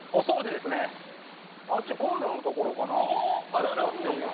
どっちかっていうと。